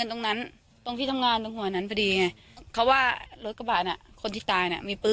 อ๋อเขาไม่ได้พักตรงนี้แต่ว่าเขาทำงานที่นี่